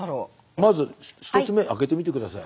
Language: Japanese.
まず１つ目開けてみて下さい。